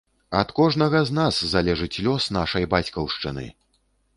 Ад кожнага з нас залежыць лёс нашай бацькаўшчыны!